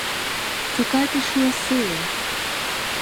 Тікайте, що є сили!